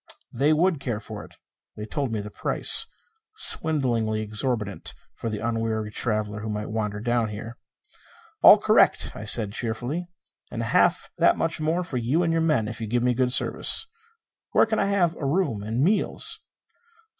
They would care for it. They told me the price swindlingly exorbitant for the unwary traveller who might wander down here. "All correct," I said cheerfully. "And half that much more for you and your men if you give me good service. Where can I have a room and meals?"